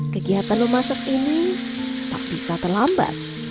kegiatan memasak ini tak bisa terlambat